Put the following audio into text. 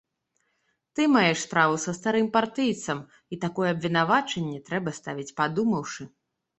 Ты маеш справу з старым партыйцам, і такое абвінавачванне трэба ставіць падумаўшы.